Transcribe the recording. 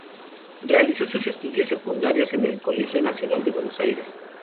Realizó sus estudios secundarios en el Colegio de Nacional Buenos Aires.